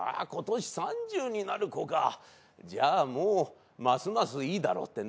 今年３０になる子かじゃあもうますますいいだろう。